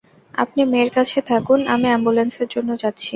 আপনি মেয়ের কাছে থাকুন, আমি অ্যাম্বুলেন্সের জন্যে যাচ্ছি।